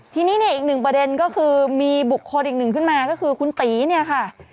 ทีนี้เนี่ยอีกหนึ่งประเด็นก็คือมีบุคคลอีกหนึ่งขึ้นมาก็คือคุณตีเนี่ยค่ะ